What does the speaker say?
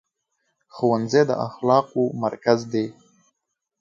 ښوونځی د اخلاقو مرکز دی.